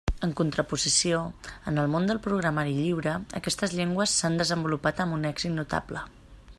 En contraposició, en el món del programari lliure aquestes llengües s'han desenvolupat amb un èxit notable.